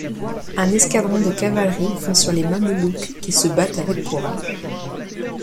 Un escadron de cavalerie fonce sur les mamelouks qui se battent avec courage.